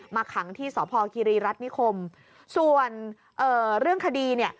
มาขังที่สคิริรัฐนิคมส่วนเรื่องคดีเนี่ย